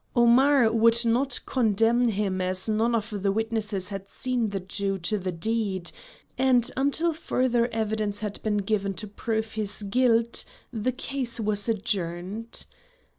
Omar would not condemn him as none of the witnesses had seen the Jew do the deed, and until further evidence had been given to prove his guilt the case was adjourned.